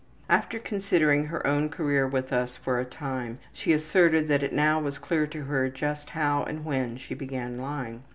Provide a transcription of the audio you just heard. After considering her own career with us for a time, she asserted that it now was clear to her just how and when she began lying.